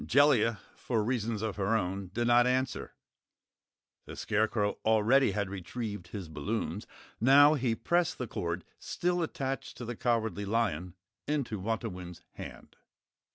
Jellia, for reasons of her own, did not answer. The Scarecrow already had retrieved his balloons. Now he pressed the cord, still attached to the Cowardly Lion, into Wantowin's hand.